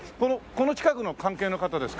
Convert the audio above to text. この近くの関係の方ですか？